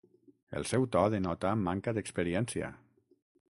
El seu to denota manca d'experiència.